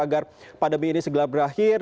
agar pandemi ini segera berakhir